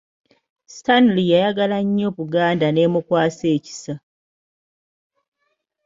Stanley yayagala nnyo Buganda n'emukwasa ekisa.